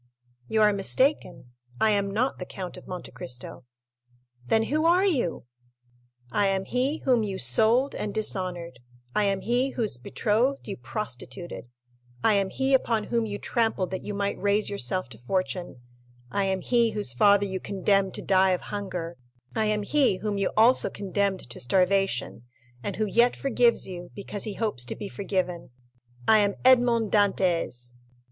"You are mistaken—I am not the Count of Monte Cristo." "Then who are you?" 50261m "I am he whom you sold and dishonored—I am he whose betrothed you prostituted—I am he upon whom you trampled that you might raise yourself to fortune—I am he whose father you condemned to die of hunger—I am he whom you also condemned to starvation, and who yet forgives you, because he hopes to be forgiven—I am Edmond Dantès!"